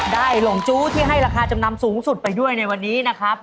หลงจู้ที่ให้ราคาจำนำสูงสุดไปด้วยในวันนี้นะครับ